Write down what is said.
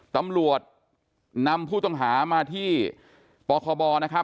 ตำรวจนำผู้ต้องหามาที่ปคบ